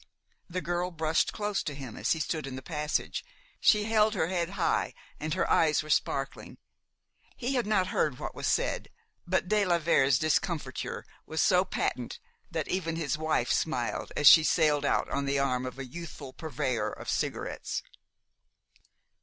The girl brushed close to him as he stood in the passage. She held her head high and her eyes were sparkling. He had not heard what was said; but de la Vere's discomfiture was so patent that even his wife smiled as she sailed out on the arm of a youthful purveyor of cigarettes.